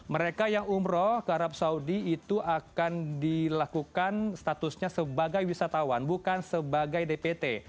mereka yang umroh ke arab saudi itu akan dilakukan statusnya sebagai wisatawan bukan sebagai dpt